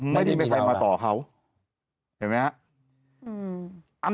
ไม่ได้มีใครมาต่อเขาเห็นไหมฮะ